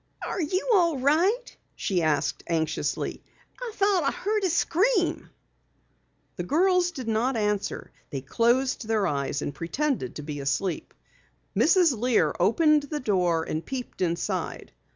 "Are you all right?" she called anxiously. "I thought I heard a scream." The girls did not answer. They closed their eyes and pretended to be asleep. Mrs. Lear opened the door and peeped inside.